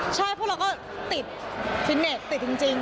ใช่เพราะเราก็ติดฟิตเนทอีกจริง